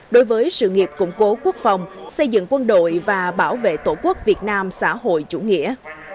đối với sự nghiệp củng cố quốc phòng xây dựng quân đội và bảo vệ tổ quốc việt nam xã hội chủ nghĩa